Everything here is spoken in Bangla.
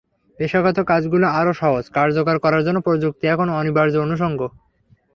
পেশাগত কাজগুলো আরও সহজ, কার্যকর করার জন্য প্রযুক্তি এখন অনিবার্য অনুষঙ্গ।